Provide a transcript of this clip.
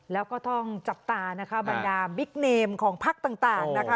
แล้วก็ต้องจับตานะคะบรรดาบิ๊กเนมของพักต่างนะคะ